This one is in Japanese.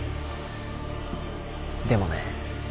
でもね